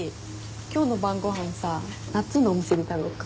今日の晩ご飯さなっつんのお店で食べよっか。